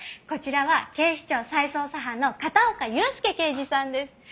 こちらは警視庁再捜査班の片岡悠介刑事さんです。